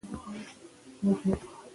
یورانیم د افغانستان یوه طبیعي ځانګړتیا ده.